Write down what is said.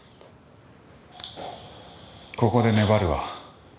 ここで粘るわ。